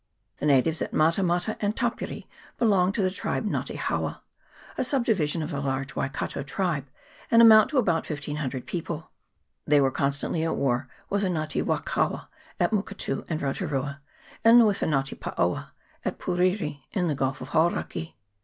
The natives at Mata mata and Tapiri belong to the tribe Nga te hauwa, a subdivision of the large Waikato tribe, and amount to about 1500 people. They were constantly at war with the Nga te Wa kaua at Muketti and Rotu rua, and with the Nga te Paoa, at Puriri, in the Gulf of Hauraki.